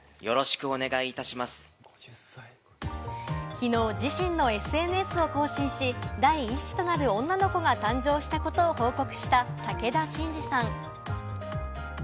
きのう自身のＳＮＳを更新し、第１子となる女の子が誕生したことを報告した武田真治さん。